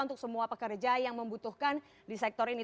untuk semua pekerja yang membutuhkan di sektor ini